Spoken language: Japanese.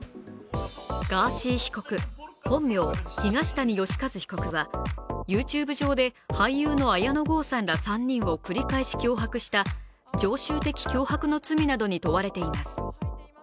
ガーシー被告、本名・東谷義和被告はＹｏｕＴｕｂｅ上で俳優の綾野剛さんら３人を繰り返し脅迫した常習的脅迫の罪などに問われています。